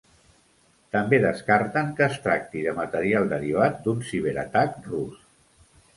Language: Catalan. També descarten que es tracti de material derivat d’un ciberatac rus.